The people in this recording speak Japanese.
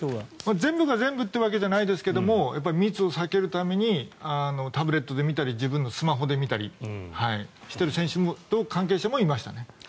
全部が全部というわけじゃないですが、密を避けるためにタブレットで見たり自分のスマホで見たりしている選手や関係者もいましたね。